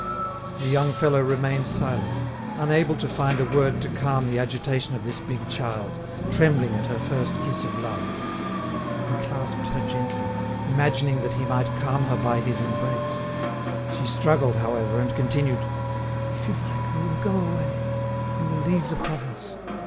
The young fellow remained silent, unable to find a word to calm the agitation of this big child, trembling at her first kiss of love. He clasped her gently, imagining that he might calm her by his embrace. She struggled, however, and continued: "If you like, we will go away; we will leave the province.